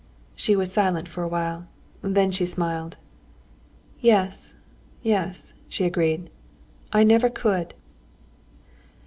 She was silent for a while, then she smiled. "Yes, yes," she agreed; "I never could.